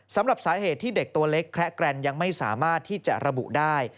สำหรับสาเหตุที่เด็กตัวเล็กแคระแกรนยังไม่สามารถที่จะระบุได้